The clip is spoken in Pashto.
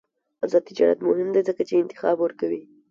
آزاد تجارت مهم دی ځکه چې انتخاب ورکوي.